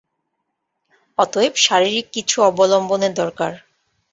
অতএব শারীরিক কিছু অবলম্বনের দরকার।